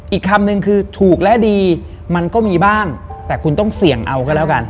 อีกคำนึงคือถูกและดีมันก็มีบ้างแต่คุณต้องเสี่ยงเอาก็แล้วกัน